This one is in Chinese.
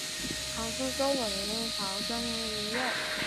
长鳍壮灯鱼为辐鳍鱼纲灯笼鱼目灯笼鱼科壮灯鱼属的鱼类。